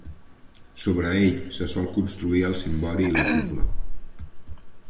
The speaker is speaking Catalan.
Sobre ell se sol construir el cimbori i la cúpula.